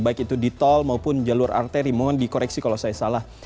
baik itu di tol maupun jalur arteri mohon dikoreksi kalau saya salah